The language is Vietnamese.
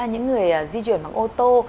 những người di chuyển bằng ô tô